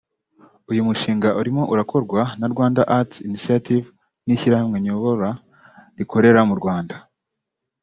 Uyu mushinga urimo urakorwa na « Rwanda Arts Initiative” n’ishyirahamwe nyobora rikorera mu Rwanda